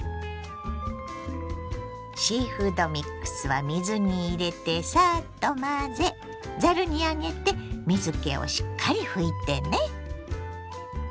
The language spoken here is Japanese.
シーフードミックスは水に入れてサッと混ぜざるに上げて水けをしっかり拭いてね。